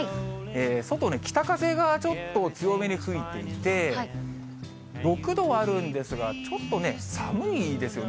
外は北風がちょっと強めに吹いていて、６度あるんですが、ちょっと、寒いですよね。